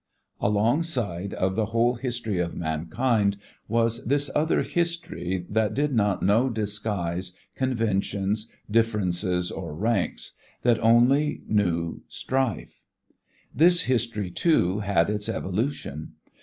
_ Alongside of the whole history of mankind was this other history that did not know disguises, conventions, differences or ranks, that only knew strife. This history, too, had its evolution.